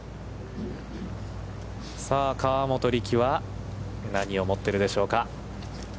さあ、河本力は何を持っているでしょうか。